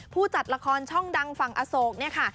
ผู้จัดละครช่องดังฝั่งอโศกเนี่ยค่ะ